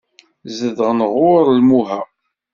Zedɣen ɣur Imuha.